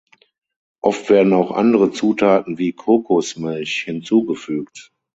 Oft werden auch andere Zutaten wie Kokosmilch hinzugefügt.